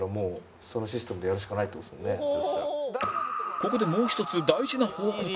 ここでもう一つ大事な報告